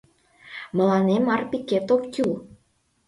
Мыланем Арпикет ок кӱл.